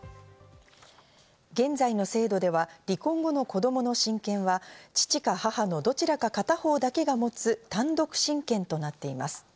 現在の制度では離婚後の子供の親権は父か母のどちらか片方だけが持つ単独親権となっています。